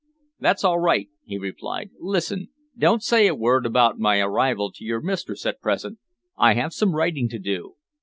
"That's all right," he replied. "Listen. Don't say a word about my arrival to your mistress at present. I have some writing to do.